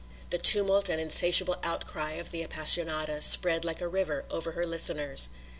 The tumult and insatiable outcry of the Appassionata spread like a river over her listeners.